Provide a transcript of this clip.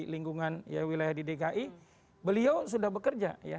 lingkungan wilayah di dki beliau sudah bekerja ya